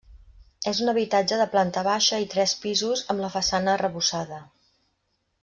És un habitatge de planta baixa i tres pisos amb la façana arrebossada.